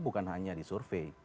bukan hanya di survei